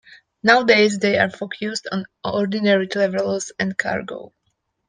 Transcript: Nowadays they are focused on ordinary travellers and cargo.